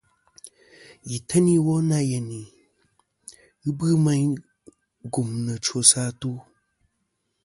Yì teyn iwo nâ yenì , ghɨ bɨ meyn gumnɨ chwosɨ atu.